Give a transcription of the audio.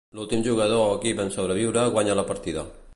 L'últim jugador o equip en sobreviure guanya la partida.